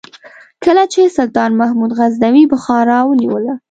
کله چې سلطان محمود غزنوي بخارا ونیوله.